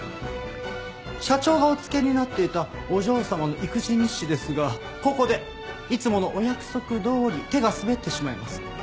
社長がお付けになっていたお嬢様の育児日誌ですがここでいつものお約束どおり手が滑ってしまいます。